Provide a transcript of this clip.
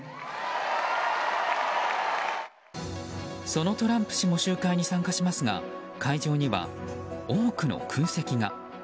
そのトランプ氏も集会に参加しますが会場には多くの空席が。